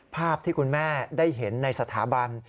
ภาพที่คุณแม่ได้เห็นในสถาบัน